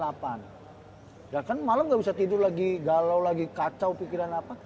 dan kan malem nggak bisa tidur lagi galau lagi kacau pikiran apa